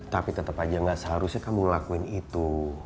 tapi tetep aja gak seharusnya kamu ngelakuin itu